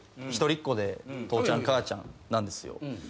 一人っ子で父ちゃん母ちゃんなんですよ。